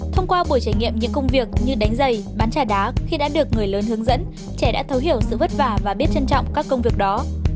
thông qua buổi trải nghiệm những công việc như đánh giày bán trà đá khi đã được người lớn hướng dẫn trẻ đã thấu hiểu sự vất vả và biết trân trọng các công việc đó